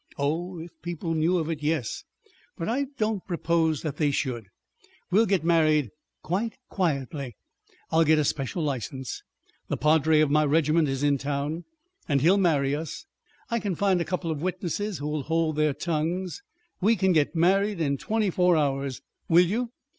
"Oh, if people knew of it, yes. But I don't propose that they should. We'll get married quite quietly. I'll get a special licence. The padre of my regiment is in Town, and he'll marry us. I can find a couple of witnesses who'll hold their tongues. We can get married in twenty four hours. Will you?"